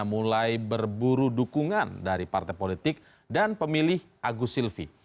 mulai berburu dukungan dari partai politik dan pemilih agus silvi